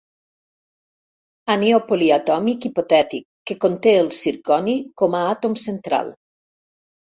Anió poliatòmic hipotètic que conté el zirconi com a àtom central.